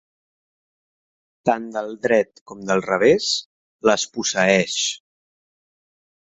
Tant del dret com del revés, les posseeix.